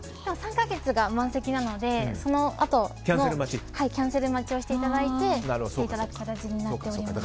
３か月が満席なのでそのあともキャンセル待ちをしていただいて来ていただく形になっております。